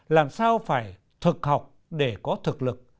làm sao phải thực học để có thực lực